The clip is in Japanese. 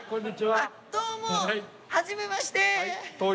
どうもはじめまして。